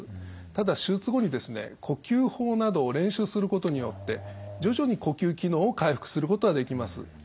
ただ手術後にですね呼吸法などを練習することによって徐々に呼吸機能を回復することはできます。